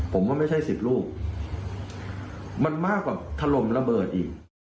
ผมว่าไม่ใช่๑๐ลูกมันมากกว่าถล่มระเบิดอีก